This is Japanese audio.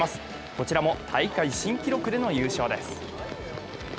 こちらも大会新記録での優勝です。